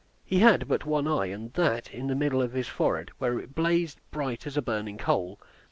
He had but one eye, and that in the middle of his forehead, where it blazed bright as a burning coal.